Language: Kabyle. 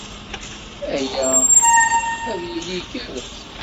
Aya ad d-yili igerrrez.